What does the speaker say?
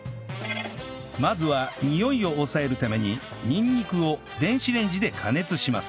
まずはにおいを抑えるためににんにくを電子レンジで加熱します